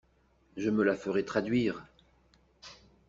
Je me la ferai traduire…